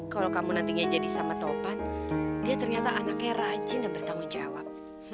kalau kamu nantinya jadi sama topan dia ternyata anaknya rajin dan bertanggung jawab